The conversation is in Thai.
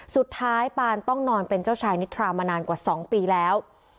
สุดท้ายปานต้องนอนเป็นเจ้าชายนิทรามานานกว่า๒ปีแล้ว